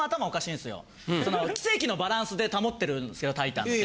奇跡のバランスで保ってるんすけどタイタンって。